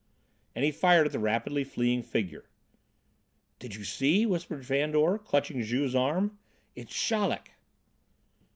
And he fired at the rapidly fleeing figure. "Did you see?" whispered Fandor, clutching Juve's arm. "It's Chaleck."